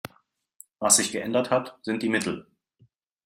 Was sich geändert hat, sind die Mittel.